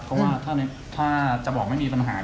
เพราะว่าถ้าจะบอกไม่มีปัญหา